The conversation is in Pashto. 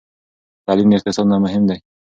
تعلیم د اقتصاد نه مهم دی.